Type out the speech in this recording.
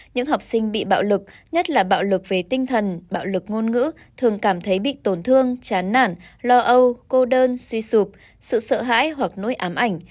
những học sinh bị bạo lực nhất là bạo lực về tinh thần bạo lực ngôn ngữ thường cảm thấy bị tổn thương chán nản lo âu cô đơn suy sụp sự sợ hãi hoặc nỗi ám ảnh